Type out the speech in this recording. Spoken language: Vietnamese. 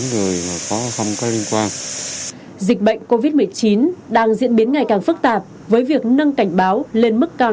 dịch bệnh covid một mươi chín đang diễn biến ngày càng phức tạp với việc nâng cảnh báo lên mức cao